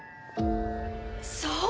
そう！